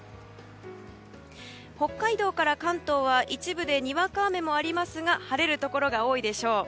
北海道から関東は一部でにわか雨もありますが晴れるところが多いでしょう。